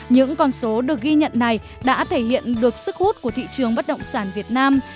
những con số được ghi nhận này đã thể hiện được sức hút của thị trường bất động sản việt nam